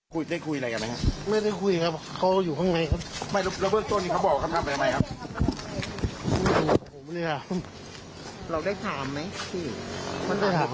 ก็มันหยุดไงไม่ได้อะไรมากมาย